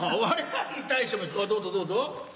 あっどうぞどうぞ。